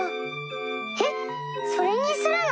えっそれにするの？